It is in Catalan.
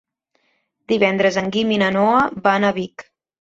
Divendres en Guim i na Noa van a Vic.